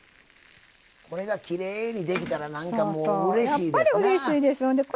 これがきれいにできたら何かもううれしいですなぁ。